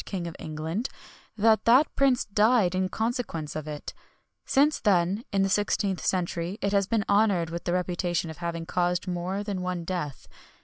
King of England, that that prince died in consequence of it.[XXI 79] Since then, in the 16th century, it has been honoured with the reputation of having caused more than one death.